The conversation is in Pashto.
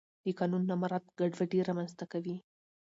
د قانون نه مراعت ګډوډي رامنځته کوي